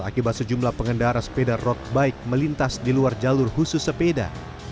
akibat sejumlah pengendara sepeda road bike melintas di luar jalur khusus sepeda